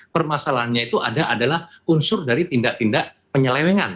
permasalahannya itu ada adalah unsur dari tindak tindak penyelewengan